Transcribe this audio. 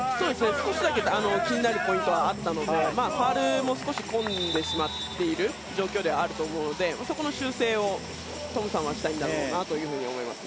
少しだけ気になるポイントはあったのでファウルも少しこんでしまっている状況ではあると思うので、そこの修正をトムさんはしたいんだと思います。